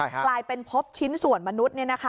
กลายเป็นพบชิ้นส่วนมนุษย์